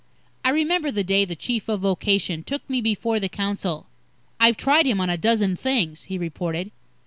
I remember the day the Chief of Vocation took me before the council. "I've tried him on a dozen things," he reported.